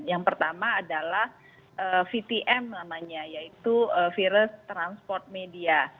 yang pertama adalah vtm namanya yaitu virus transport media